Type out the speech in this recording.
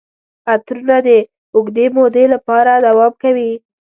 عطرونه د اوږدې مودې لپاره دوام کوي.